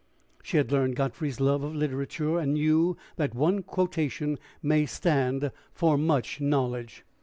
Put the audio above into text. She had learned Godfrey's love of literature, and knew that one quotation may stand for much knowledge.